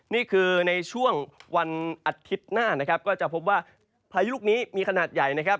นี่คือในช่วงวันอาทิตย์หน้านะครับก็จะพบว่าพายุลูกนี้มีขนาดใหญ่นะครับ